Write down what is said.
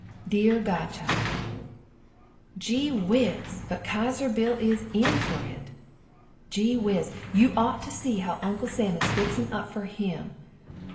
Deer godchild, Gee whiz but Kaiser Bill is in fer it! Gee whiz, you ot to see how Uncle Sam is fixin up fer him!